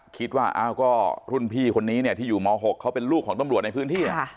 คิดว่าอ้าวก็รุ่นพี่คนนี้เนี่ยที่อยู่ม๖เขาเป็นลูกของตำรวจในพื้นที่